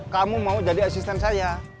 kamu mau jadi asisten saya